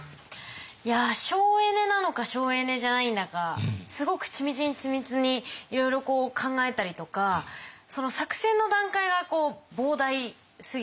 いや省エネなのか省エネじゃないんだかすごく緻密に緻密にいろいろ考えたりとかその作戦の段階が膨大すぎて。